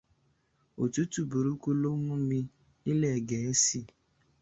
Òtútù burúkú ló ń mú mi nílè Gẹ̀ẹ́sì.